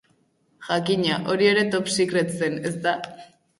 Jakina, hori ere top secret zen, ezta?